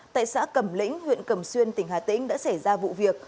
tại xã cẩm lĩnh huyện cầm xuyên tỉnh hà tĩnh đã xảy ra vụ việc